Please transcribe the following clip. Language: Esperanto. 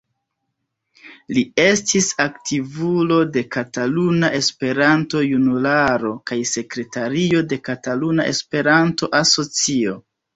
Li estis aktivulo de Kataluna Esperanto-Junularo kaj sekretario de Kataluna Esperanto-Asocio.